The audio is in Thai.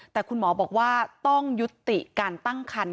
แต่คุณหมอบอกว่าต้องยุติการตั้งคัน